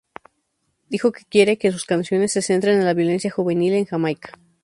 Dijo que quiere que sus canciones se centran en la violencia juvenil en Jamaica.